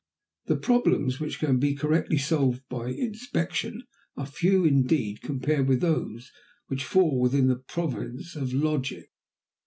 The problems which can be correctly solved by inspection are few indeed compared with those which fall within the province of logic.